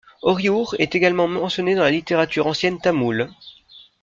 Oriyur est également mentionné dans la littérature ancienne tamoule.